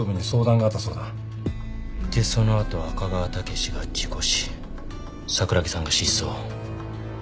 でその後赤川武志が事故死桜木さんが失踪。